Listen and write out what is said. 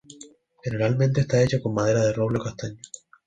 Generalmente está hecha con madera de roble o castaño